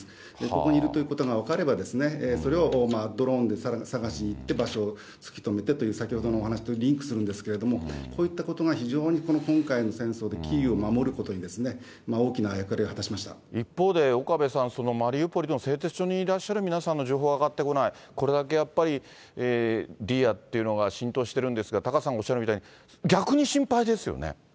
ここにいるということが分かれば、それをドローンで探しに行って、場所を突き止めてという、先ほどのお話とリンクするんですけれども、こういったことが非常にこの今回の戦争で、キーウを守ることに大きな役割を果たしまし一方で岡部さん、マリウポリの製鉄所にいらっしゃる皆さんの情報は上がってこない、これだけやっぱり、ディーアっていうのが浸透してるんですが、タカさんがおっしゃるみたいに、逆に心配ですよね。